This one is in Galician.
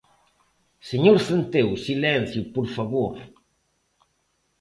Señor Centeo, silencio, por favor.